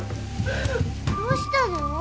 どうしたの？